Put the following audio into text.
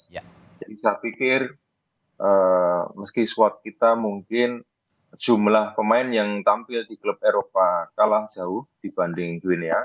jadi saya pikir meski squad kita mungkin jumlah pemain yang tampil di klub eropa kalah jauh dibanding guinea